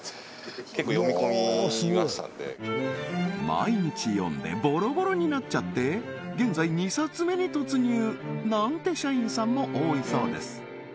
毎日読んでボロボロになっちゃって現在２冊目に突入なんて社員さんも多いそうです